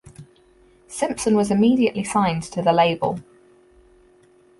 Simpson was immediately signed to the label.